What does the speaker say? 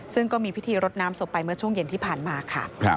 ซึ่งก็มีพิธีรดน้ำศพไปเมื่อช่วงเย็นที่ผ่านมาค่ะ